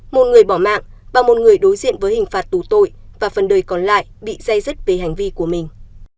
một người bỏ mạng và một người đối diện với hình phạt tù tội và phần đời còn lại bị dây dứt về hành vi của mình